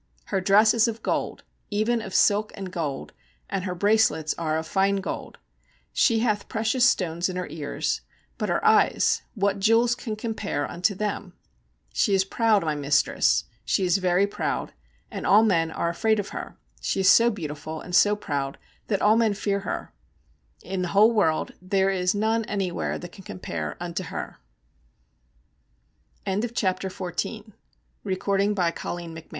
Her dress is of gold, even of silk and gold, and her bracelets are of fine gold. She hath precious stones in her ears, but her eyes, what jewels can compare unto them? She is proud, my mistress; she is very proud, and all men are afraid of her. She is so beautiful and so proud that all men fear her. In the whole world there is none anywhere that can compare unto her. CHAPTER XV WOMEN II 'The husband is lord of the wife.'